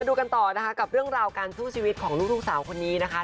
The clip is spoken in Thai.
ดูกันต่อนะคะกับเรื่องราวการสู้ชีวิตของลูกสาวคนนี้นะคะ